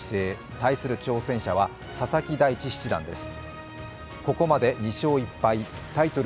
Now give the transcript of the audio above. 対する挑戦者は佐々木大地七段です。